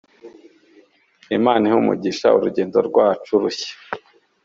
Imana ihe umugisha urugendo rwacu rushya !"